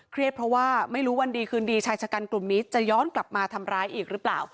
เพราะว่าไม่รู้วันดีคืนดีชายชะกันกลุ่มนี้จะย้อนกลับมาทำร้ายอีกหรือเปล่า